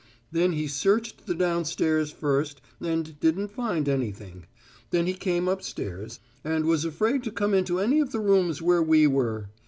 Then he searched the downstairs first, and didn't find anything. Then he came upstairs, and was afraid to come into any of the rooms where we were.